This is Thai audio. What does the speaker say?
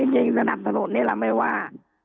จริงสนับสนุนเนี่ยเราไม่ว่า